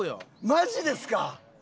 マジですか？